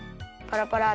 パラパラ。